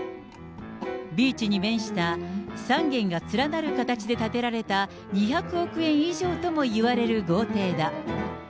ビーチに面した３軒が連なる形で建てられた、２００億円以上ともいわれる豪邸だ。